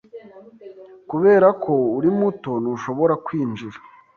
Kubera ko uri muto, ntushobora kwinjira.